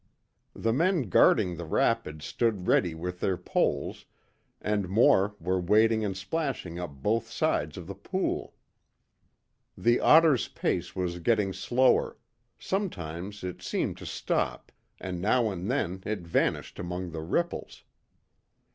The men guarding the rapid stood ready with their poles, and more were wading and splashing up both sides of the pool. The otter's pace was getting slower; sometimes it seemed to stop, and now and then it vanished among the ripples.